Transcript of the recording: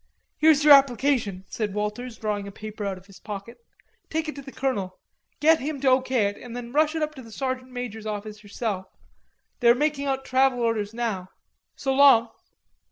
"Here's your application," said Walters, drawing a paper out of his pocket. "Take it to the colonel; get him to O. K. it and then rush it up to the sergeant major's office yourself. They are making out travel orders now. So long."